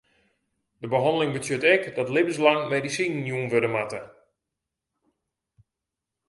De behanneling betsjut ek dat libbenslang medisinen jûn wurde moatte.